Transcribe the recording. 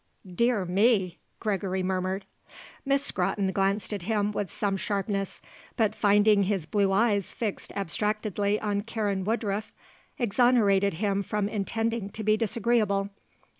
"Dear me," Gregory murmured. Miss Scrotton glanced at him with some sharpness; but finding his blue eyes fixed abstractedly on Karen Woodruff exonerated him from intending to be disagreeable.